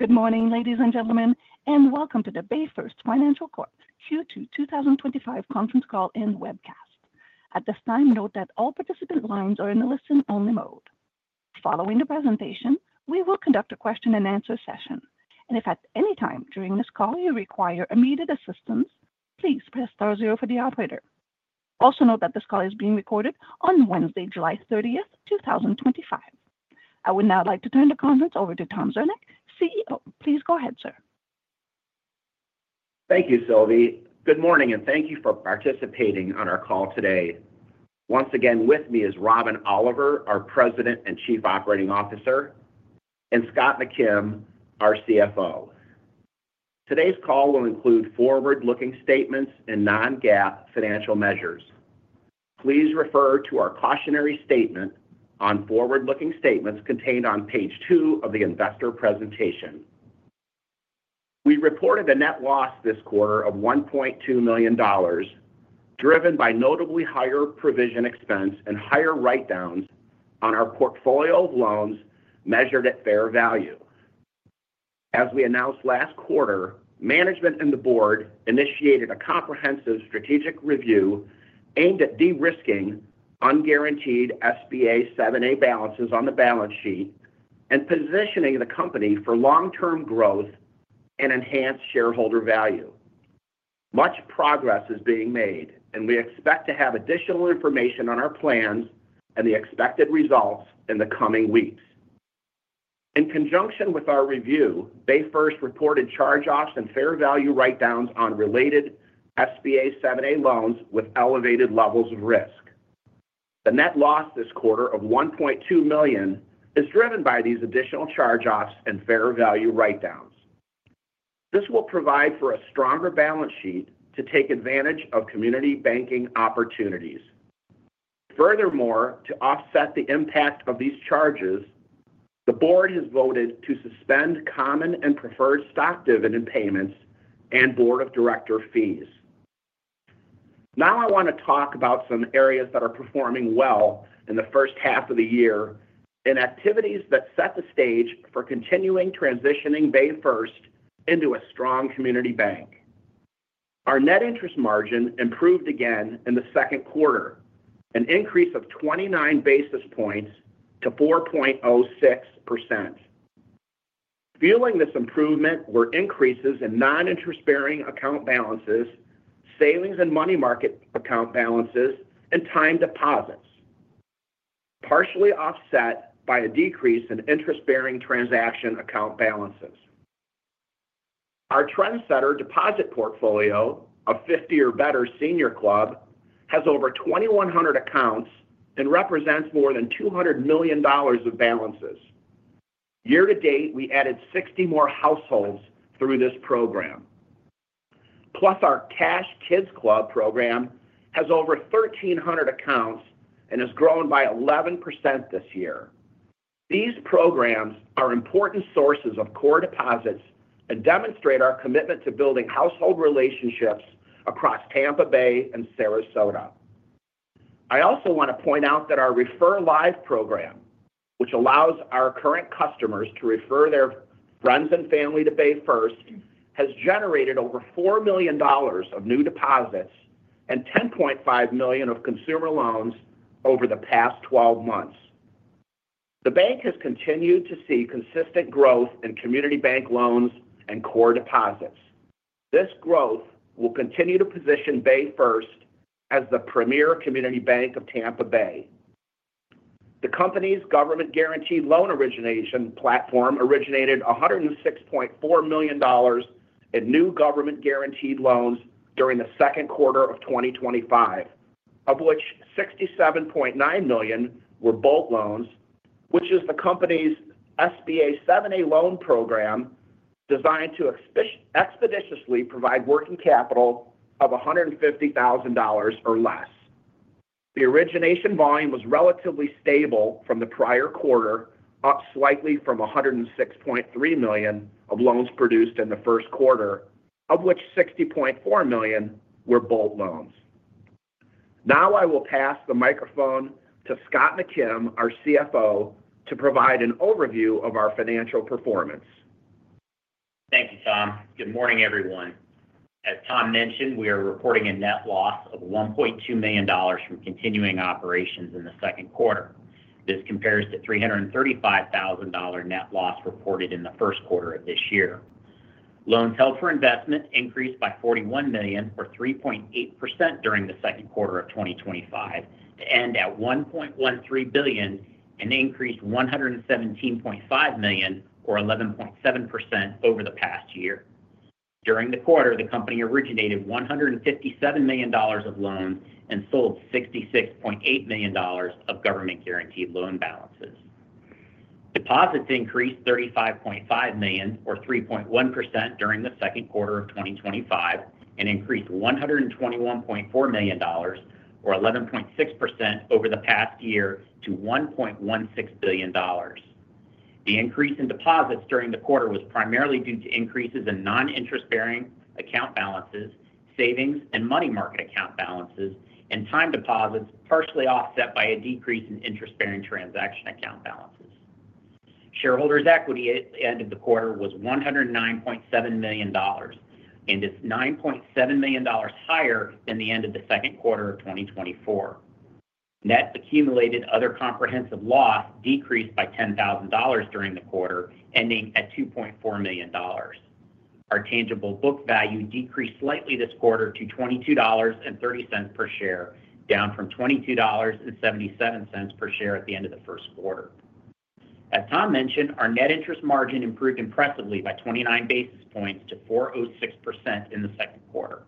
Good morning, ladies and gentlemen, and welcome to the BayFirst Financial Corp Q2 2025 conference call and webcast. At this time, note that all participant lines are in a listen-only mode. Following the presentation, we will conduct a question-and-answer session, and if at any time during this call you require immediate assistance, please press star zero for the operator. Also note that this call is being recorded on Wednesday, July 30th, 2025. I would now like to turn the conference over to Thomas Zernick, CEO, please go ahead, sir. Thank you, Sylvie. Good morning, and thank you for participating on our call today. Once again, with me is Robin Oliver, our President and Chief Operating Officer, and Scott McKim, our CFO. Today's call will include forward-looking statements and non-GAAP financial measures. Please refer to our cautionary statement on forward-looking statements contained on page two of the investor presentation. We reported a net loss this quarter of $1.2 million, driven by notably higher provision expense and higher write-downs on our portfolio of loans measured at fair value. As we announced last quarter, management and the board initiated a comprehensive strategic review aimed at de-risking unguaranteed SBA 7(a) balances on the balance sheet and positioning the company for long-term growth and enhanced shareholder value. Much progress is being made, and we expect to have additional information on our plans and the expected results in the coming weeks. In conjunction with our review, BayFirst reported charge-offs and fair value write-downs on related SBA 7(a) loans with elevated levels of risk. The net loss this quarter of $1.2 million is driven by these additional charge-offs and fair value write-downs. This will provide for a stronger balance sheet to take advantage of community banking opportunities. Furthermore, to offset the impact of these charges, the board has voted to suspend common and preferred stock dividend payments and board of director fees. Now I want to talk about some areas that are performing well in the first half of the year and activities that set the stage for continuing transitioning BayFirst into a strong community bank. Our net interest margin improved again in the second quarter, an increase of 29 basis points to 4.06%. Fueling this improvement were increases in non-interest-bearing account balances, savings and money market account balances, and time deposits, partially offset by a decrease in interest-bearing transaction account balances. Our Trendsetter deposit portfolio of 50 or better senior club has over 2,100 accounts and represents more than $200 million of balances. Year to date, we added 60 more households through this program. Plus, our Cash Kids Club program has over 1,300 accounts and has grown by 11% this year. These programs are important sources of core deposits and demonstrate our commitment to building household relationships across Tampa Bay and Sarasota. I also want to point out that our Refer Live program, which allows our current customers to refer their friends and family to BayFirst, has generated over $4 million of new deposits and $10.5 million of consumer loans over the past 12 months. The bank has continued to see consistent growth in community bank loans and core deposits. This growth will continue to position BayFirst as the premier community bank of Tampa Bay. The company's government-guaranteed loan origination platform originated $106.4 million in new government-guaranteed loans during the second quarter of 2025, of which $67.9 million were bulk loans, which is the company's SBA 7(a) loan program designed to expeditiously provide working capital of $150,000 or less. The origination volume was relatively stable from the prior quarter, up slightly from $106.3 million of loans produced in the first quarter, of which $60.4 million were bulk loans. Now I will pass the microphone to Scott McKim, our CFO, to provide an overview of our financial performance. Thank you, Tom. Good morning, everyone. As Tom mentioned, we are reporting a net loss of $1.2 million from continuing operations in the second quarter. This compares to $335,000 net loss reported in the first quarter of this year. Loans held for investment increased by $41 million or 3.8% during the second quarter of 2025 to end at $1.13 billion and increased $117.5 million or 11.7% over the past year. During the quarter, the company originated $157 million of loans and sold $66.8 million of government-guaranteed loan balances. Deposits increased $35.5 million or 3.1% during the second quarter of 2025 and increased $121.4 million or 11.6% over the past year to $1.16 billion. The increase in deposits during the quarter was primarily due to increases in non-interest-bearing account balances, savings and money market account balances, and time deposits, partially offset by a decrease in interest-bearing transaction account balances. Shareholders' equity at the end of the quarter was $109.7 million, and it's $9.7 million higher than the end of the second quarter of 2024. Net accumulated other comprehensive loss decreased by $10,000 during the quarter, ending at $2.4 million. Our tangible book value decreased slightly this quarter to $22.30 per share, down from $22.77 per share at the end of the first quarter. As Tom mentioned, our net interest margin improved impressively by 29 basis points to 4.06% in the second quarter.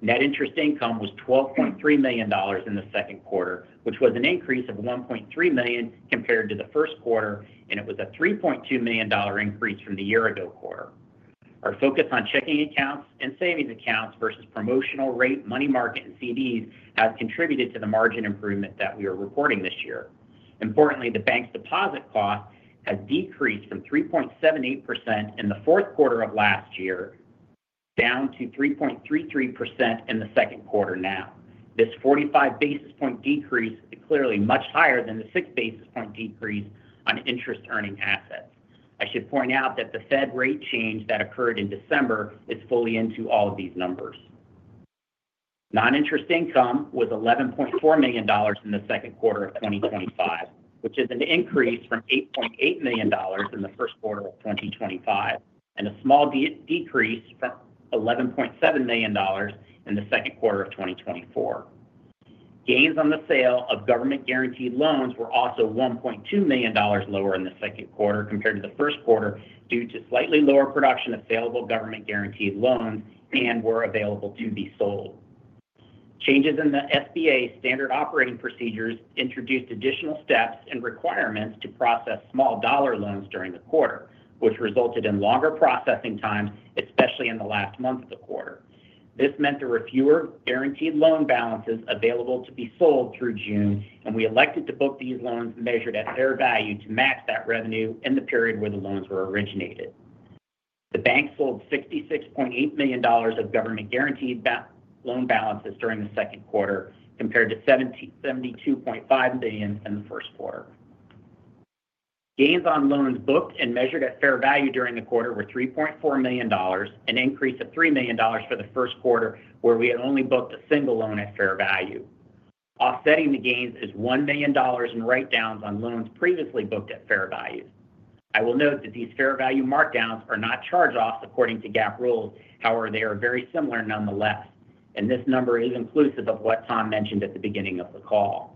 Net interest income was $12.3 million in the second quarter, which was an increase of $1.3 million compared to the first quarter, and it was a $3.2 million increase from the year-ago quarter. Our focus on checking accounts and savings accounts versus promotional rate, money market, and CDs has contributed to the margin improvement that we are reporting this year. Importantly, the bank's deposit cost has decreased from 3.78% in the fourth quarter of last year down to 3.33% in the second quarter now. This 45 basis point decrease is clearly much higher than the six basis point decrease on interest-earning assets. I should point out that the Fed rate change that occurred in December is fully into all of these numbers. Non-interest income was $11.4 million in the second quarter of 2025, which is an increase from $8.8 million in the first quarter of 2025 and a small decrease from $11.7 million in the second quarter of 2024. Gains on the sale of government-guaranteed loans were also $1.2 million lower in the second quarter compared to the first quarter due to slightly lower production of saleable government-guaranteed loans and were available to be sold. Changes in the SBA standard operating procedures introduced additional steps and requirements to process small dollar loans during the quarter, which resulted in longer processing times, especially in the last month of the quarter. This meant there were fewer guaranteed loan balances available to be sold through June, and we elected to book these loans measured at fair value to match that revenue in the period where the loans were originated. The bank sold $66.8 million of government-guaranteed loan balances during the second quarter compared to $72.5 million in the first quarter. Gains on loans booked and measured at fair value during the quarter were $3.4 million, an increase of $3 million from the first quarter where we had only booked a single loan at fair value. Offsetting the gains is $1 million in write-downs on loans previously booked at fair value. I will note that these fair value markdowns are not charge-offs according to GAAP rules, however, they are very similar nonetheless, and this number is inclusive of what Thomas mentioned at the beginning of the call.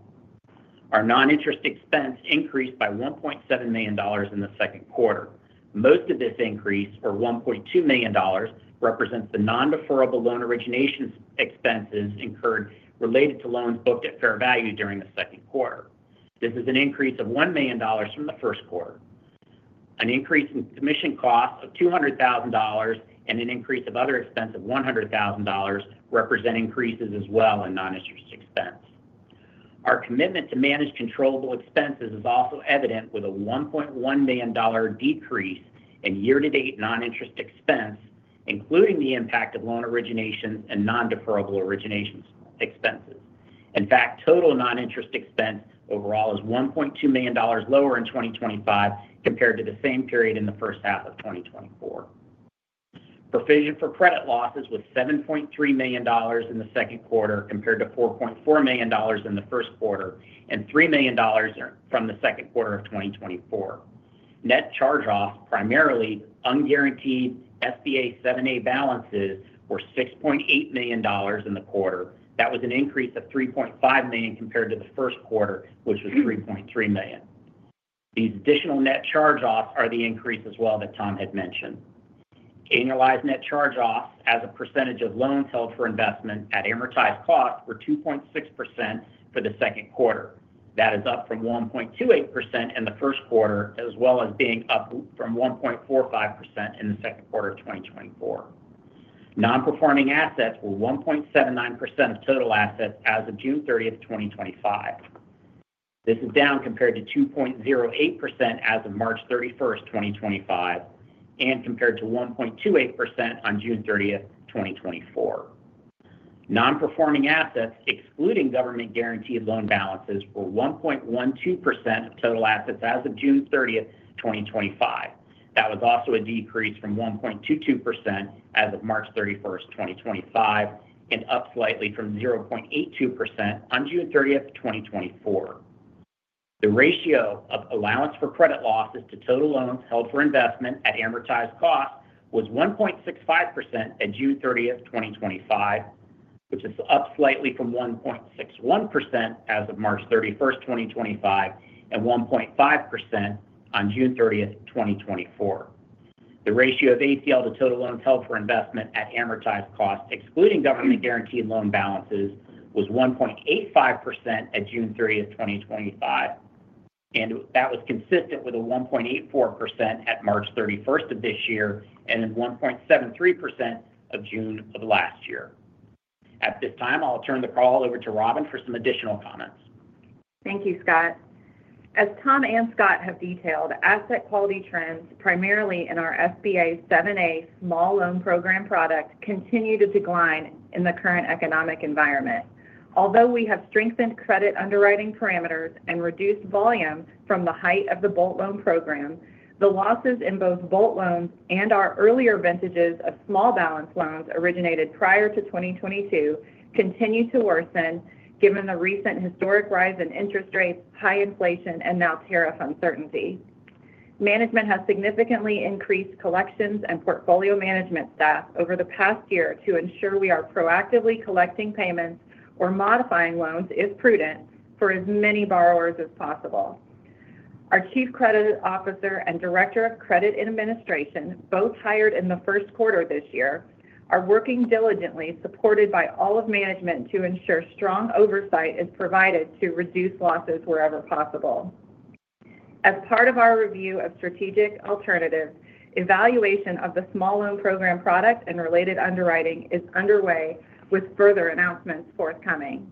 Our non-interest expense increased by $1.7 million in the second quarter. Most of this increase, or $1.2 million, represents the non-deferrable loan origination expenses incurred related to loans booked at fair value during the second quarter. This is an increase of $1 million from the first quarter. An increase in commission costs of $200,000 and an increase of other expenses of $100,000 represent increases as well in non-interest expense. Our commitment to manage controllable expenses is also evident with a $1.1 million decrease in year-to-date non-interest expense, including the impact of loan origination and non-deferrable origination expenses. In fact, total non-interest expense overall is $1.2 million lower in 2025 compared to the same period in the first half of 2024. Provision for credit losses was $7.3 million in the second quarter compared to $4.4 million in the first quarter and $3 million from the second quarter of 2024. Net charge-offs, primarily unguaranteed SBA 7(a) balances, were $6.8 million in the quarter. That was an increase of $3.5 million compared to the first quarter, which was $3.3 million. These additional net charge-offs are the increase as well that Tom had mentioned. Annualized net charge-offs as a percentage of loans held for investment at amortized cost were 2.6% for the second quarter. That is up from 1.28% in the first quarter, as well as being up from 1.45% in the second quarter of 2024. Non-performing assets were 1.79% of total assets as of June 30th, 2025. This is down compared to 2.08% as of March 31st, 2025, and compared to 1.28% on June 30th, 2024. Non-performing assets, excluding government-guaranteed loan balances, were 1.12% of total assets as of June 30th, 2025. That was also a decrease from 1.22% as of March 31st, 2025, and up slightly from 0.82% on June 30th, 2024. The ratio of allowance for credit losses to total loans held for investment at amortized cost was 1.65% on June 30th, 2025, which is up slightly from 1.61% as of March 31st, 2025, and 1.5% on June 30th, 2024. The ratio of allowance for credit losses to total loans held for investment at amortized cost, excluding government-guaranteed loan balances, was 1.85% on June 30th, 2025, and that was consistent with 1.84% at March 31st of this year and 1.73% of June of last year. At this time, I'll turn the call over to Robin for some additional comments. Thank you, Scott. As Tom and Scott have detailed, asset quality trends, primarily in our SBA 7(a) small loan program product, continue to decline in the current economic environment. Although we have strengthened credit underwriting parameters and reduced volume from the height of the bulk loan program, the losses in both bulk loans and our earlier vintages of small balance loans originated prior to 2022 continue to worsen, given the recent historic rise in interest rates, high inflation, and now tariff uncertainty. Management has significantly increased collections and portfolio management staff over the past year to ensure we are proactively collecting payments or modifying loans if prudent for as many borrowers as possible. Our Chief Credit Officer and Director of Credit Administration, both hired in the first quarter of this year, are working diligently, supported by all of management, to ensure strong oversight is provided to reduce losses wherever possible. As part of our review of strategic alternatives, evaluation of the small loan program product and related underwriting is underway, with further announcements forthcoming.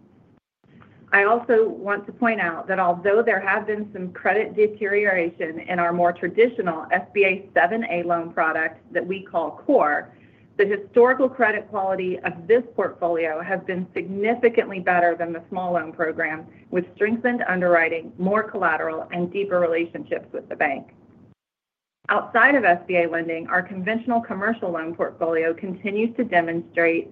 I also want to point out that although there has been some credit deterioration in our more traditional SBA 7(a) loan product that we call core, the historical credit quality of this portfolio has been significantly better than the small loan program, with strengthened underwriting, more collateral, and deeper relationships with the bank. Outside of SBA lending, our conventional commercial loan portfolio continues to demonstrate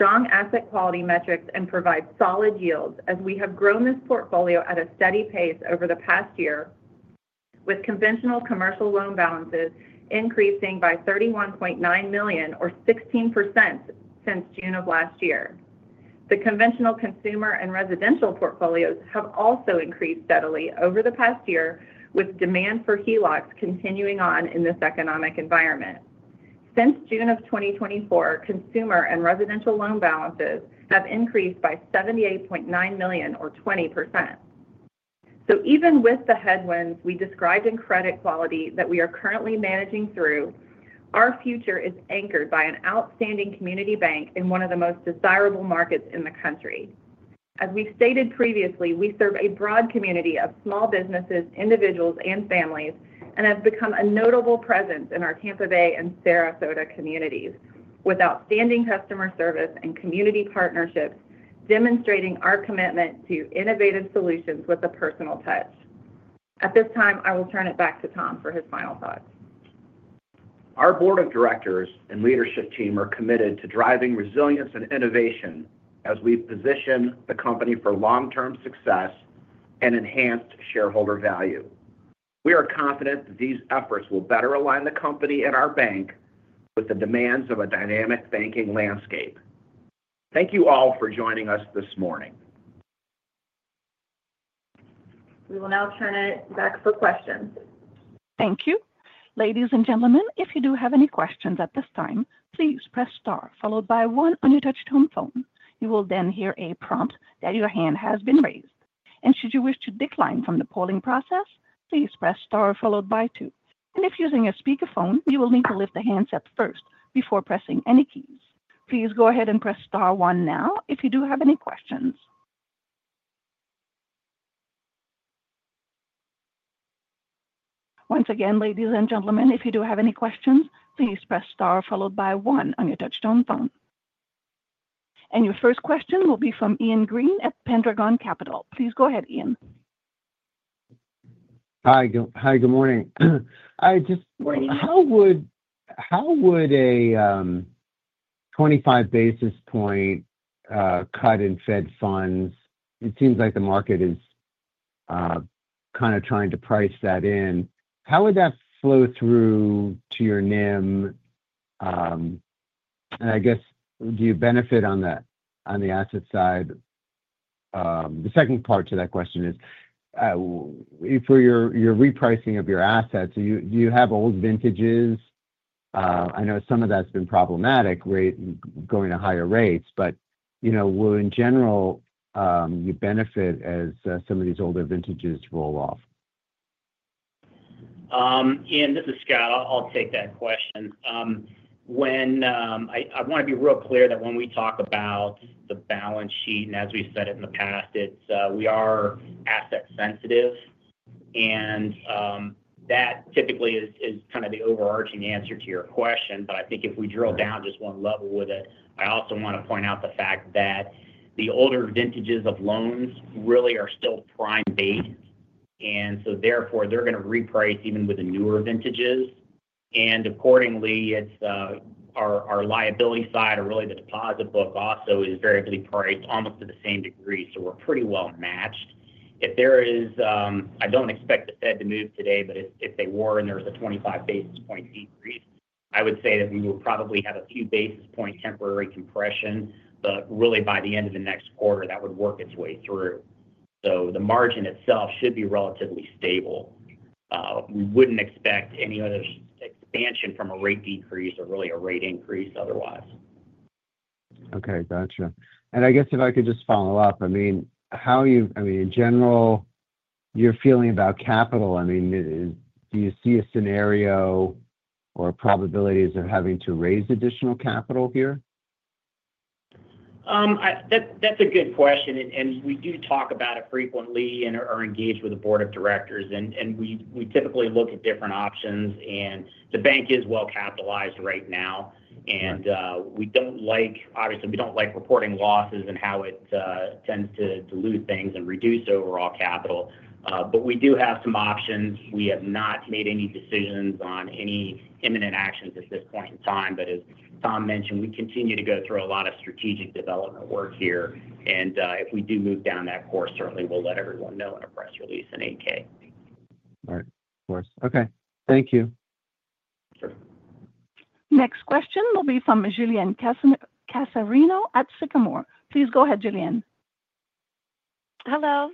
strong asset quality metrics and provide solid yields as we have grown this portfolio at a steady pace over the past year, with conventional commercial loan balances increasing by $31.9 million or 16% since June of last year. The conventional consumer and residential portfolios have also increased steadily over the past year, with demand for HELOCs continuing on in this economic environment. Since June of 2024, consumer and residential loan balances have increased by $78.9 million or 20%. Even with the headwinds we described in credit quality that we are currently managing through, our future is anchored by an outstanding community bank in one of the most desirable markets in the country. As we've stated previously, we serve a broad community of small businesses, individuals, and families, and have become a notable presence in our Tampa Bay and Sarasota communities with outstanding customer service and community partnerships, demonstrating our commitment to innovative solutions with a personal touch. At this time, I will turn it back to Tom for his final thoughts. Our board of directors and leadership team are committed to driving resilience and innovation as we position the company for long-term success and enhanced shareholder value. We are confident that these efforts will better align the company and our bank with the demands of a dynamic banking landscape. Thank you all for joining us this morning. We will now turn it back to the questions. Thank you. Ladies and gentlemen, if you do have any questions at this time, please press star followed by one on your touch-tone phone. You will then hear a prompt that your hand has been raised. Should you wish to decline from the polling process, please press star followed by two. If using a speaker phone, you will need to lift the handset first before pressing any keys. Please go ahead and press star one now if you do have any questions. Once again, ladies and gentlemen, if you do have any questions, please press star followed by one on your touch-tone phone. Your first question will be from Ian Green at Pendragon Capital. Please go ahead, Ian. Hi, good morning. Morning. How would a 25 basis point cut in Fed funds? It seems like the market is kind of trying to price that in. How would that flow through to your NIM? Do you benefit on the asset side? The second part to that question is, for your repricing of your assets, do you have old vintages? I know some of that's been problematic, right? Going to higher rates, but in general, you benefit as some of these older vintages roll off. This is Scott. I'll take that question. I want to be real clear that when we talk about the balance sheet, and as we've said it in the past, we are asset-sensitive. That typically is kind of the overarching answer to your question. If we drill down just one level with it, I also want to point out the fact that the older vintages of loans really are still prime date. Therefore, they're going to reprice even with the newer vintages. Accordingly, it's our liability side or really the deposit book also is variably priced almost to the same degree. We're pretty well matched. I don't expect the Fed to move today, but if they were and there was a 25 basis point decrease, I would say that we would probably have a few basis points temporary compression. By the end of the next quarter, that would work its way through. The margin itself should be relatively stable. We wouldn't expect any other expansion from a rate decrease or really a rate increase otherwise. Okay. Gotcha. If I could just follow up, how you, in general, your feeling about capital, do you see a scenario or probabilities of having to raise additional capital here? That's a good question. We do talk about it frequently and are engaged with the Board of Directors. We typically look at different options. The bank is well-capitalized right now. Obviously, we don't like reporting losses and how it tends to lose things and reduce overall capital. We do have some options. We have not made any decisions on any imminent actions at this point in time. As Tom mentioned, we continue to go through a lot of strategic development work here. If we do move down that course, certainly, we'll let everyone know in a press release in 8-K. All right. Of course. Thank you. Next question will be from Julienne Cassarino at Sycamore. Please go ahead, Julianne. Hello.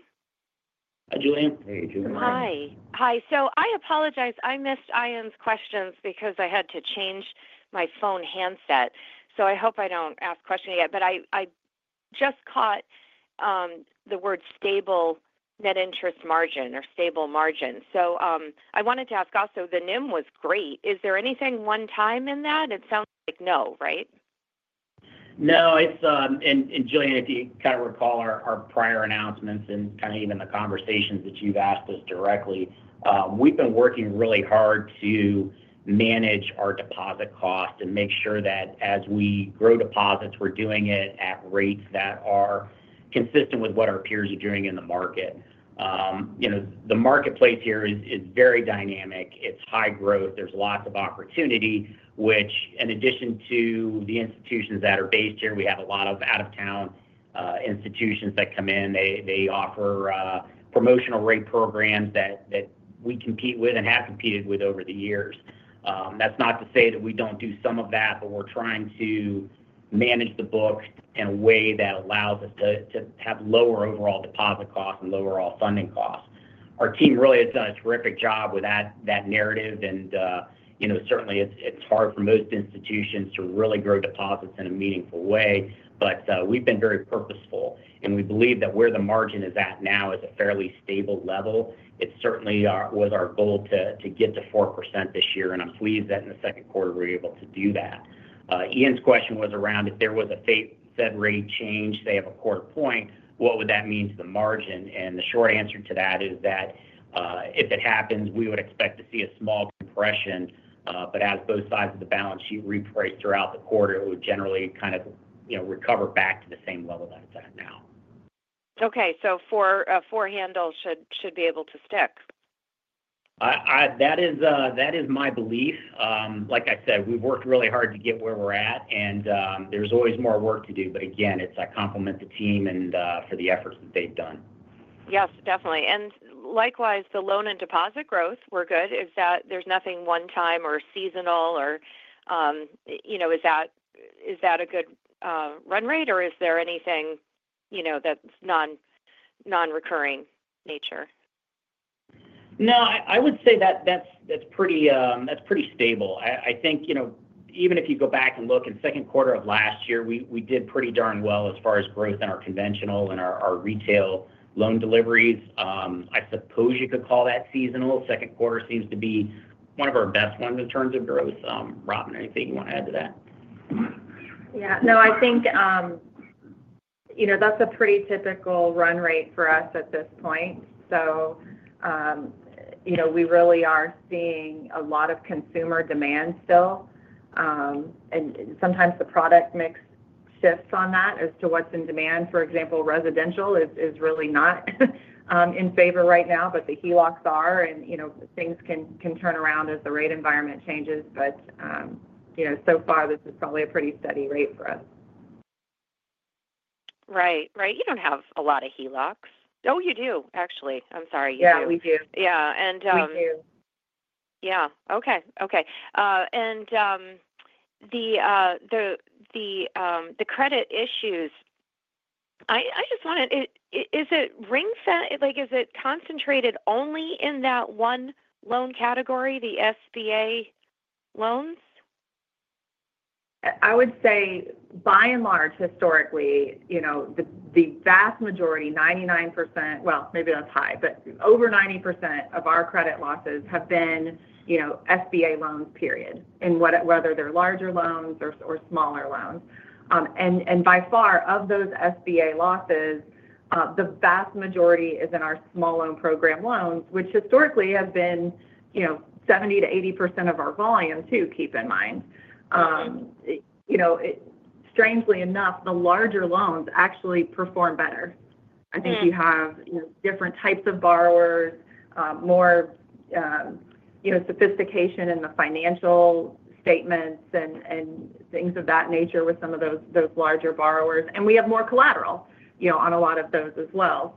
Hi, Julienne. Hey, Julienne. Hi. I apologize. I missed Ian's questions because I had to change my phone handset. I hope I don't ask questions again. I just caught the word stable net interest margin or stable margin. I wanted to ask also, the NIM was great. Is there anything one time in that? It sounds like no, right? No. It's Julienne, if you recall our prior announcements and even the conversations that you've asked us directly, we've been working really hard to manage our deposit cost and make sure that as we grow deposits, we're doing it at rates that are consistent with what our peers are doing in the market. The marketplace here is very dynamic. It's high growth. There's lots of opportunity, which in addition to the institutions that are based here, we have a lot of out-of-town institutions that come in. They offer promotional rate programs that we compete with and have competed with over the years. That's not to say that we don't do some of that, but we're trying to manage the books in a way that allows us to have lower overall deposit costs and lower all funding costs. Our team really has done a terrific job with that narrative. Certainly, it's hard for most institutions to really grow deposits in a meaningful way. We've been very purposeful. We believe that where the margin is at now is a fairly stable level. It certainly was our goal to get to 4% this year. I'm pleased that in the second quarter, we're able to do that. Ian's question was around if there was a Fed rate change, say, of a quarter point, what would that mean to the margin? The short answer to that is that if it happens, we would expect to see a small compression. As both sides of the balance sheet reprice throughout the quarter, it would generally recover back to the same level that it's at now. Okay, four-handles should be able to stick. That is my belief. Like I said, we've worked really hard to get where we're at, and there's always more work to do. I compliment the team for the efforts that they've done. Yes, definitely. Likewise, the loan and deposit growth were good. Is that there's nothing one-time or seasonal, or is that a good run rate, or is there anything that's non-recurring in nature? No, I would say that that's pretty stable. I think, you know, even if you go back and look in the second quarter of last year, we did pretty darn well as far as growth in our conventional and our retail loan deliveries. I suppose you could call that seasonal. The second quarter seems to be one of our best ones in terms of growth. Robin, anything you want to add to that? Yeah. No, I think that's a pretty typical run rate for us at this point. We really are seeing a lot of consumer demand still, and sometimes the product mix shifts on that as to what's in demand. For example, residential is really not in favor right now, but the HELOCs are. Things can turn around as the rate environment changes. So far, this is probably a pretty steady rate for us. Right. You don't have a lot of HELOCs. Oh, you do, actually. I'm sorry. Yeah, we do. Yeah. And we do. Yeah. Okay. Okay. The credit issues, I just wanted, is it ring-fenced? Like, is it concentrated only in that one loan category, the SBA loans? I would say, by and large, historically, the vast majority, 99%, well, maybe that's high, but over 90% of our credit losses have been SBA loans, period, and whether they're larger loans or smaller loans. By far, of those SBA losses, the vast majority is in our small loan program loans, which historically have been 70%-80% of our volume, too, keep in mind. Strangely enough, the larger loans actually perform better. I think you have different types of borrowers, more sophistication in the financial statements and things of that nature with some of those larger borrowers, and we have more collateral on a lot of those as well.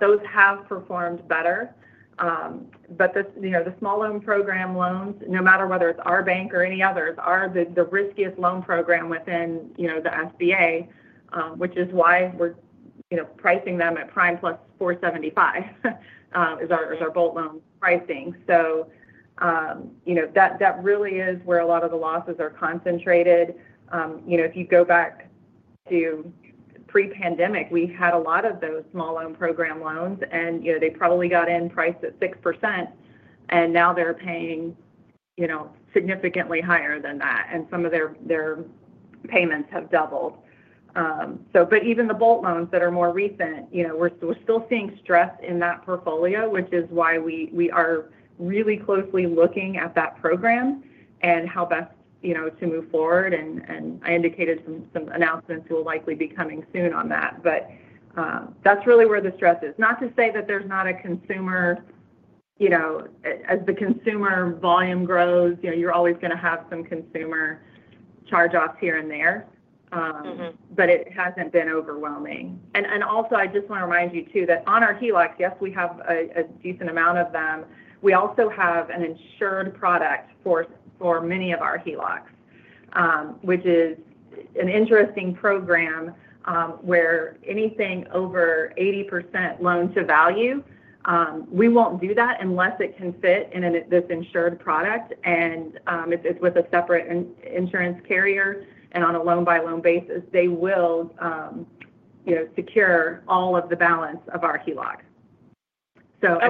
Those have performed better. The small loan program loans, no matter whether it's our bank or any others, are the riskiest loan program within the SBA, which is why we're pricing them at prime +475 is our bulk loan pricing. That really is where a lot of the losses are concentrated. If you go back to pre-pandemic, we had a lot of those small loan program loans, and they probably got in priced at 6%. Now they're paying significantly higher than that, and some of their payments have doubled. Even the bulk loans that are more recent, we're still seeing stress in that portfolio, which is why we are really closely looking at that program and how best to move forward. I indicated some announcements will likely be coming soon on that. That's really where the stress is. Not to say that there's not a consumer, as the consumer volume grows, you're always going to have some consumer charge-offs here and there. It hasn't been overwhelming. I just want to remind you, too, that on our HELOCs, yes, we have a decent amount of them. We also have an insured product for many of our HELOCs, which is an interesting program where anything over 80% loan to value, we won't do that unless it can fit in this insured product. If it's with a separate insurance carrier and on a loan-by-loan basis, they will secure all of the balance of our HELOC.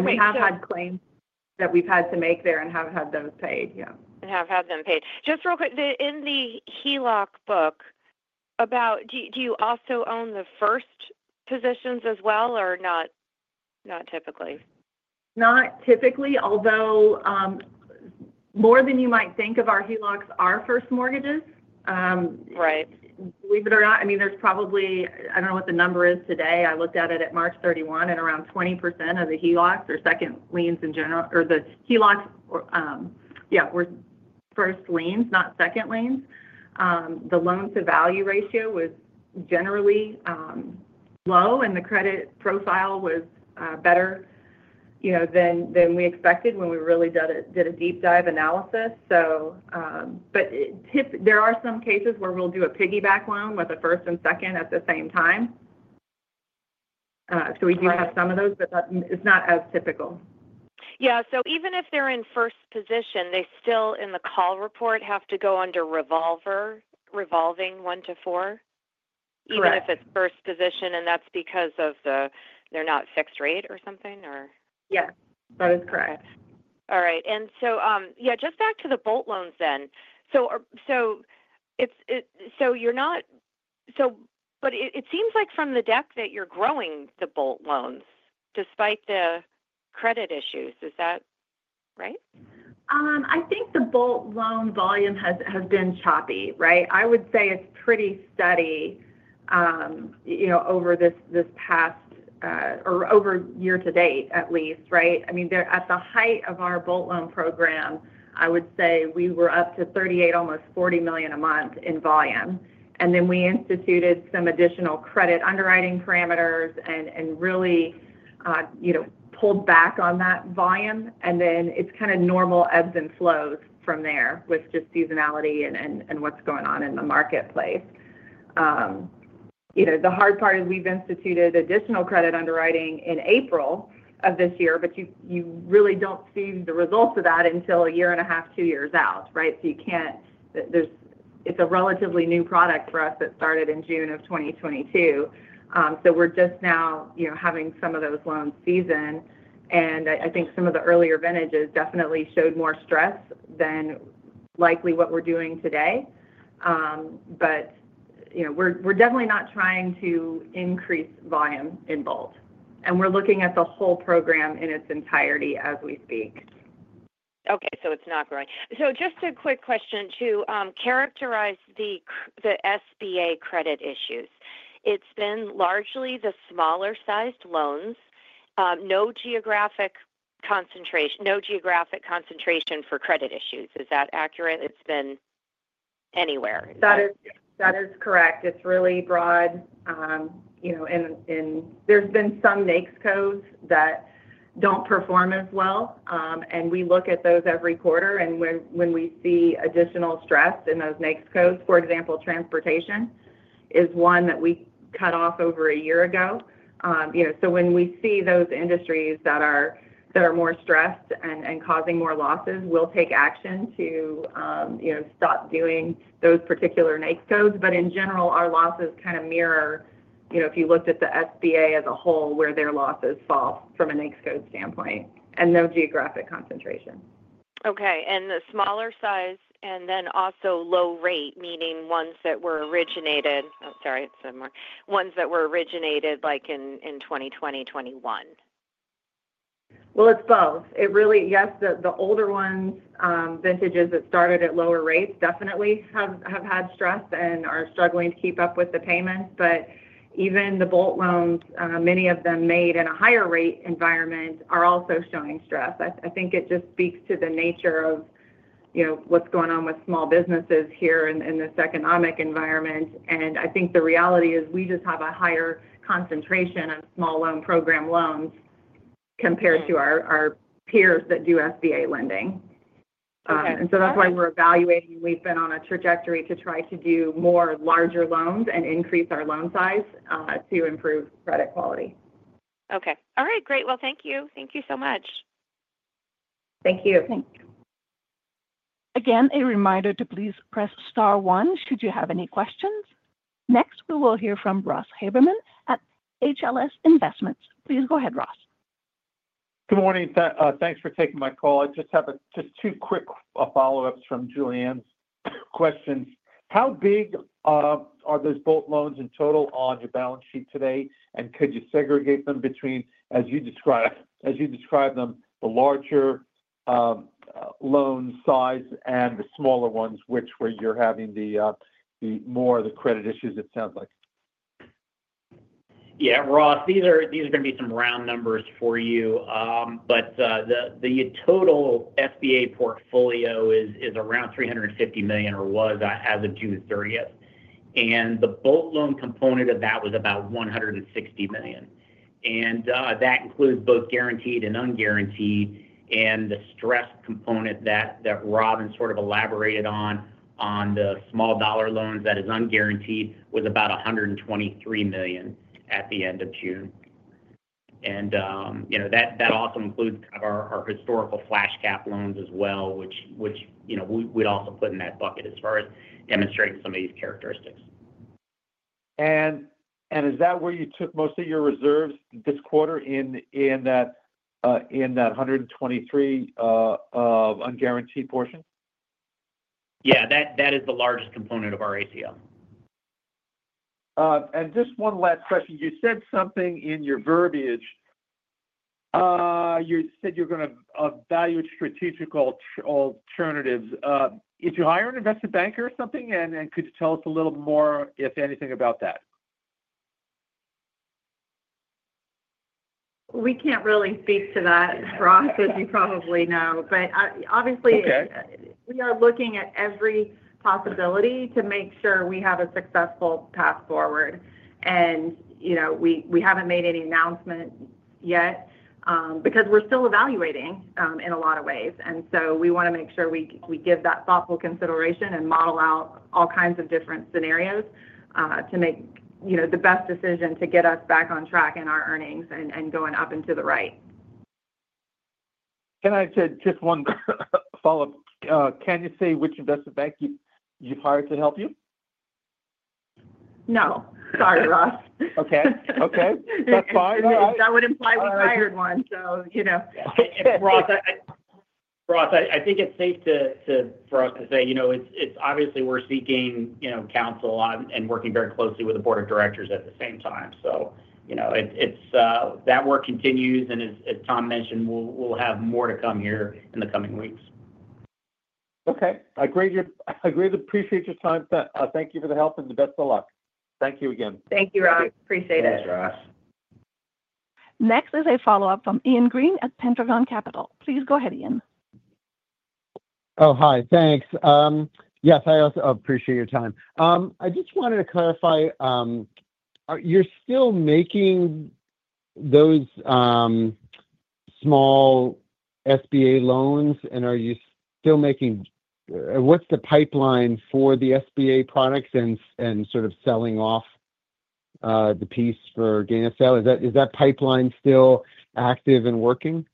We have had claims that we've had to make there and have had those paid. In the HELOC book, do you also own the first positions as well, or not? Not typically. Not typically, although more than you might think of our HELOCs are first mortgages. Believe it or not, there's probably, I don't know what the number is today. I looked at it at March 31, and around 20% of the HELOCs or second liens in general, or the HELOCs, were first liens, not second liens. The loan-to-value ratio was generally low, and the credit profile was better than we expected when we really did a deep dive analysis. There are some cases where we'll do a piggyback loan with a first and second at the same time. We do have some of those, but it's not as typical. Even if they're in first position, they still, in the call report, have to go under revolver, revolving one to four, even if it's first position, and that's because they're not fixed rate or something, or? Yes. That is correct. Just back to the bulk loans then. It seems like from the deck that you're growing the bulk loans despite the credit issues. Is that right? I think the bulk loan volume has been choppy, right? I would say it's pretty steady over this past or over year to date, at least, right? At the height of our bulk loan program, I would say we were up to $38 million, almost $40 million a month in volume. We instituted some additional credit underwriting parameters and really pulled back on that volume. Then it's kind of normal ebbs and flows from there with just seasonality and what's going on in the marketplace. The hard part is we've instituted additional credit underwriting in April of this year, but you really don't see the results of that until a year and a half, two years out, right? It's a relatively new product for us that started in June of 2022. We're just now having some of those loans season. I think some of the earlier vintage has definitely showed more stress than likely what we're doing today. We're definitely not trying to increase volume in bulk, and we're looking at the whole program in its entirety as we speak. It's not growing. Just a quick question to characterize the SBA credit issues. It's been largely the smaller-sized loans. No geographic concentration for credit issues. Is that accurate? It's been anywhere. That is correct. It's really broad. There's been some NAICS codes that don't perform as well, and we look at those every quarter. When we see additional stress in those NAICS codes, for example, transportation is one that we cut off over a year ago. When we see those industries that are more stressed and causing more losses, we'll take action to stop doing those particular NAICS codes. In general, our losses kind of mirror, if you looked at the SBA as a whole, where their losses fall from a NAICS code standpoint and no geographic concentration. The smaller size and then also low rate, meaning ones that were originated, I'm sorry, it's similar, ones that were originated like in 2020, 2021. It's both. Yes, the older ones, vintages that started at lower rates, definitely have had stress and are struggling to keep up with the payments. Even the bulk loans, many of them made in a higher rate environment, are also showing stress. I think it just speaks to the nature of what's going on with small businesses here in this economic environment. The reality is we just have a higher concentration of small loan program loans compared to our peers that do SBA lending, and that's why we're evaluating. We've been on a trajectory to try to do more larger loans and increase our loan size to improve credit quality. Thank you. Thank you so much. Thank you. Thanks. Again, a reminder to please press star one should you have any questions. Next, we will hear from Ross Haberman at HLS Investments. Please go ahead, Ross. Good morning. Thanks for taking my call. I just have two quick follow-ups from Julienne's questions. How big are those bulk loans in total on your balance sheet today? Could you segregate them between, as you described them, the larger loan size and the smaller ones, where you're having more of the credit issues, it sounds like? Yeah, Ross, these are going to be some round numbers for you. The total SBA portfolio is around $350 million or was as of June 30th. The bulk loan component of that was about $160 million. That includes both guaranteed and unguaranteed. The stress component that Robin sort of elaborated on, on the small dollar loans that is unguaranteed, was about $123 million at the end of June. That also includes kind of our historical flash-cap loans as well, which we'd also put in that bucket as far as demonstrating some of these characteristics. Is that where you took most of your reserves this quarter, in that $123 unguaranteed portion? Yeah, that is the largest component of our asset-liability repricing. Just one last question. You said something in your verbiage. You said you're going to evaluate strategic alternatives. Is your hire an investment banker or something? Could you tell us a little more, if anything, about that? We can't really speak to that for us, as you probably know. Obviously, we are looking at every possibility to make sure we have a successful path forward. We haven't made any announcements yet because we're still evaluating in a lot of ways. We want to make sure we give that thoughtful consideration and model out all kinds of different scenarios to make the best decision to get us back on track in our earnings and going up and to the right. Can I say just one follow-up? Can you say which investment bank you've hired to help you? No, sorry, Ross. Okay. That's fine. That would imply we hired one. Ross, I think it's safe for us to say it's obviously we're seeking counsel and working very closely with the board of directors at the same time. That work continues. As Tom mentioned, we'll have more to come here in the coming weeks. Okay, I greatly appreciate your time. Thank you for the help and the best of luck. Thank you again. Thank you, Ross. Appreciate it. Thanks, Ross. Next, we have a follow-up from Ian Green at Pentagon Capital. Please go ahead, Ian. Oh, hi. Thanks. Yes, I also appreciate your time. I just wanted to clarify, are you still making those small SBA loans? Are you still making, and what's the pipeline for the SBA products and sort of selling off the piece for gain of sale? Is that pipeline still active and working?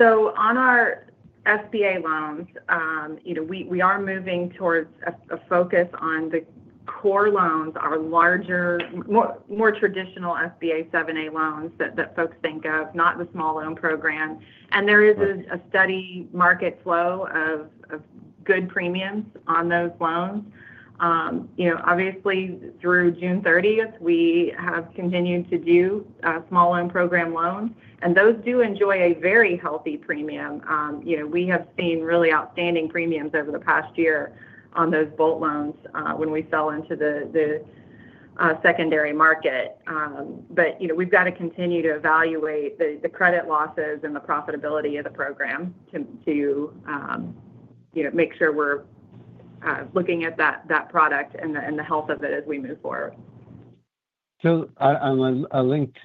On our SBA loans, you know, we are moving towards a focus on the core loans, our larger, more traditional SBA 7(a) loans that folks think of, not the small loan program. There is a steady market flow of good premiums on those loans. Obviously, through June 30th, we have continued to do small loan program loans, and those do enjoy a very healthy premium. We have seen really outstanding premiums over the past year on those bulk loans when we sell into the secondary market. We've got to continue to evaluate the credit losses and the profitability of the program to make sure we're looking at that product and the health of it as we move forward. On a linked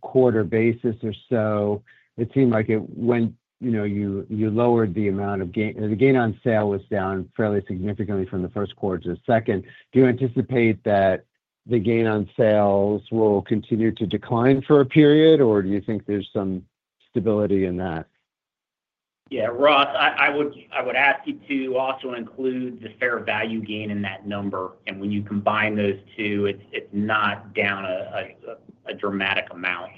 quarter basis, it seemed like it went, you know, you lowered the amount of gain. The gain on sale was down fairly significantly from the first quarter to the second. Do you anticipate that the gain on sales will continue to decline for a period, or do you think there's some stability in that? Yeah, Ross, I would ask you to also include the fair value gain in that number. When you combine those two, it's not down a dramatic amount.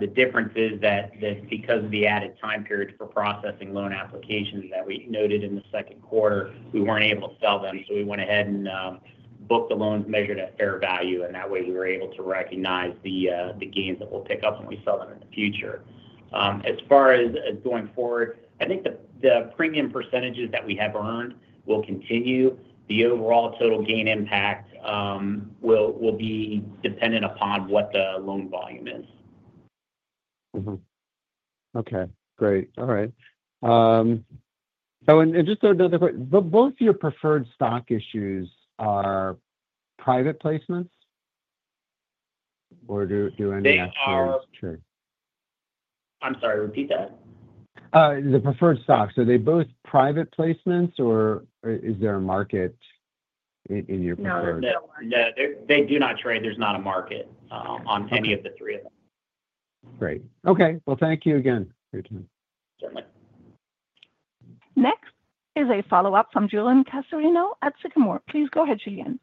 The difference is that because of the added time periods for processing loan applications that we noted in the second quarter, we weren't able to sell them. We went ahead and booked the loans, measured at fair value. That way, we were able to recognize the gains that we'll pick up when we sell them in the future. As far as going forward, I think the premium percentages that we have earned will continue. The overall total gain impact will be dependent upon what the loan volume is. Okay. Great. All right. Oh, just another question. Both your preferred stock issues are private placements or do any SBAs trade? I'm sorry. Repeat that. The preferred stocks, are they both private placements, or is there a market in your preferred? No, they do not trade. There's not a market on any of the three of them. Great. Okay. Thank you again for your time. Yeah, bye. Next is a follow-up from Julienne Cassarino at Sycamore. Please go ahead, Julianne.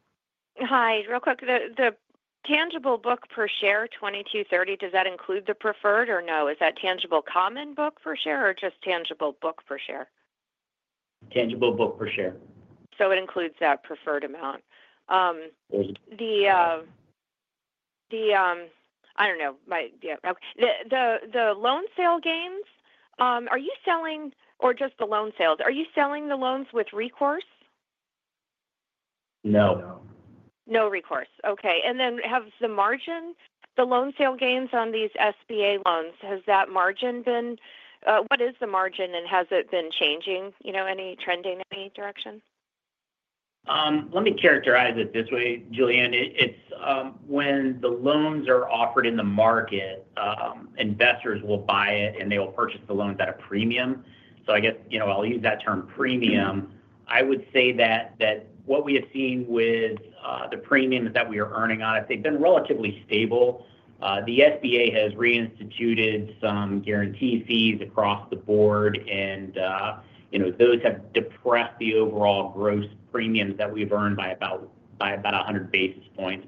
Hi. Real quick, the tangible book per share $22.30, does that include the preferred or no? Is that tangible common book per share or just tangible book per share? Tangible book per share. It includes that preferred amount. The loan sale gains, are you selling or just the loan sales? Are you selling the loans with recourse? No. No. No recourse. Okay. Has the margin, the loan sale gains on these SBA loans, has that margin been? What is the margin and has it been changing? You know, any trending in any direction? Let me characterize it this way, Julianne. It's when the loans are offered in the market, investors will buy it and they will purchase the loans at a premium. I guess, you know, I'll use that term premium. I would say that what we have seen with the premiums that we are earning on, I think, have been relatively stable. The SBA has reinstituted some guarantee fees across the board, and you know, those have depressed the overall gross premiums that we've earned by about 100 basis points.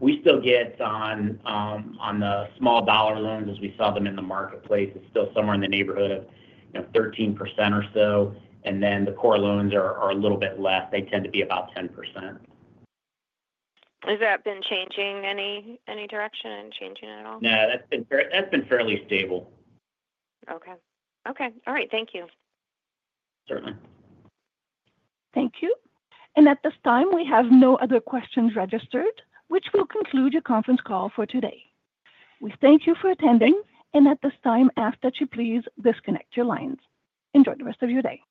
We still get on the small dollar loans, as we saw them in the marketplace, it's still somewhere in the neighborhood of 13% or so. The core loans are a little bit less. They tend to be about 10%. Has that been changing in any direction and changing at all? No, that's been fairly stable. Okay. All right. Thank you. Certainly. Thank you. At this time, we have no other questions registered, which will conclude your conference call for today. We thank you for attending, and at this time, ask that you please disconnect your lines. Enjoy the rest of your day.